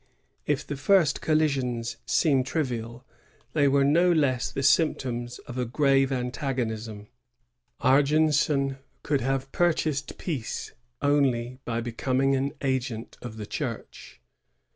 If the first col lisions seem trivial, they were no less the symptoms of a grave antagonism. Argenson could have pur chased peace only by becoming an agent of the Church.